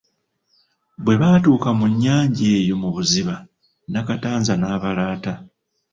Bwe baatuuka mu nnyanja eyo mu buziba Nakatanza n'abalaata.